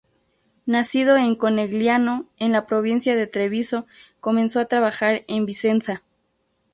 Nacido en Conegliano, en la provincia de Treviso, comenzó a trabajar en Vicenza.